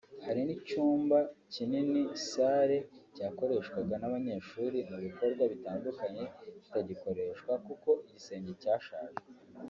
hari n’icyumba kinini (salle) cyakoreshwaga n’abayeshuri mu bikorwa bitandukanye kitagikoreshwa kuko igisenge cyashaje